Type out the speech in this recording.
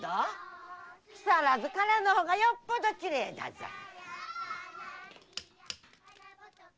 木更津からの方がよっぽど綺麗だぞい！